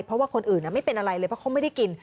เพราะว่าคนอื่นไม่เป็นอะไรเลยเพราะเขาไม่ได้กิน